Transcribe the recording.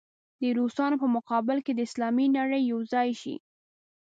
د روسانو په مقابل کې دې اسلامي نړۍ یو ځای شي.